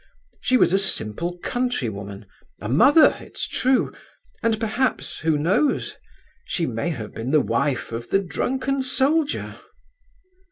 She was a simple country woman—a mother, it's true—and perhaps, who knows, she may have been the wife of the drunken soldier!